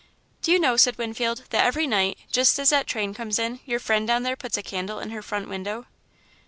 "Do you know," said Winfield, "that every night, just as that train comes in, your friend down there puts a candle in her front window?"